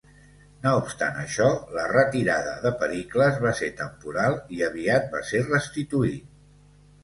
No obstant això, la retirada de Pericles va ser temporal i aviat va ser restituït.